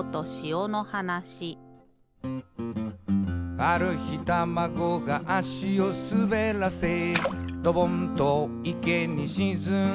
「ある日タマゴが足をすべらせ」「ドボンと池にしずんでく」